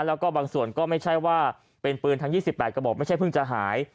แล้วก็บางส่วนก็ไม่ใช่ว่าเป็นปืนทั้ง๒๘กระบอกไม่ใช่เพิ่งจะหาย